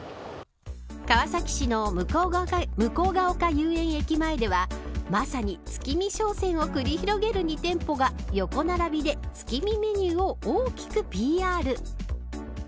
川崎市の向ヶ丘遊園駅前ではまさに月見商戦を繰り広げる２店舗が横並びで月見メニューを大きくＰＲ。